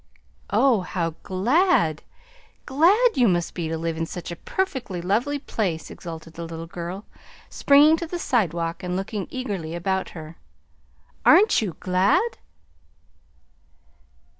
"Oh, how glad, GLAD you must be to live in such a perfectly lovely place!" exulted the little girl, springing to the sidewalk and looking eagerly about her. "Aren't you glad?"